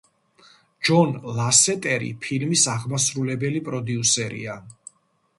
ჯონ ლასეტერი ფილმის აღმასრულებელი პროდიუსერია.